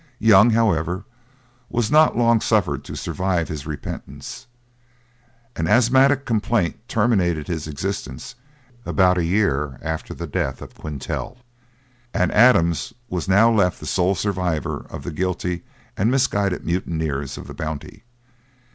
Young, however, was not long suffered to survive his repentance. An asthmatic complaint terminated his existence about a year after the death of Quintal; and Adams was now left the sole survivor of the guilty and misguided mutineers of the Bounty.